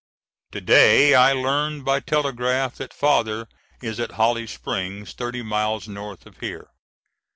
To day I learned by telegraph that Father is at Holly Springs, thirty miles north of here.